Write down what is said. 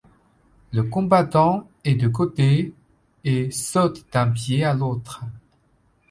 Le combattant est de côté et saute d'un pied à l'autre.